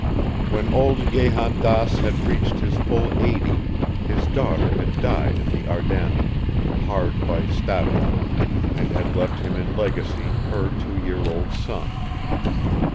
When old Jehan Daas had reached his full eighty, his daughter had died in the Ardennes, hard by Stavelot, and had left him in legacy her two year old son.